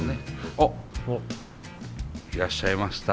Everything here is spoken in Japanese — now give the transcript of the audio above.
あっいらっしゃいました。